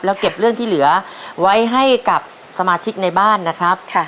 แล้วเก็บเรื่องที่เหลือไว้ให้กับสมาชิกในบ้านนะครับ